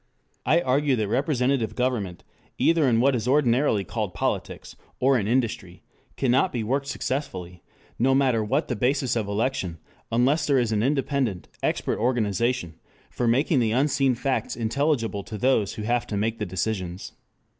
I argue that representative government, either in what is ordinarily called politics, or in industry, cannot be worked successfully, no matter what the basis of election, unless there is an independent, expert organization for making the unseen facts intelligible to those who have to make the decisions.